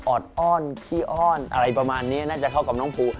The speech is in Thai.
อดอ้อนขี้อ้อนอะไรประมาณนี้น่าจะเข้ากับน้องภู